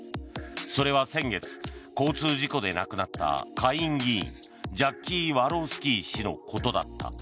それは、先月交通事故で亡くなった下院議員ジャッキー・ワロスキー氏のことだった。